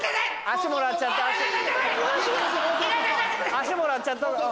足もらっちゃったほうが。